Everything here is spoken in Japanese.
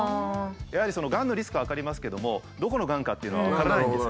やはりがんのリスクは分かりますけどもどこのがんかっていうのは分からないんです。